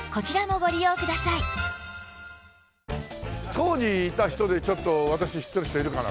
当時いた人でちょっと私知ってる人いるかな？